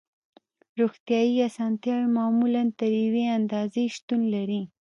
روغتیایی اسانتیاوې معمولاً تر یوې اندازې شتون لري